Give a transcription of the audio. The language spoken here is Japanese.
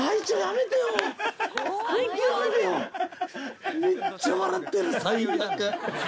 めっちゃ笑ってる最悪！